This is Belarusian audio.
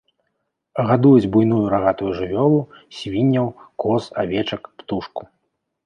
Гадуюць буйную рагатую жывёлу, свінняў, коз, авечак, птушку.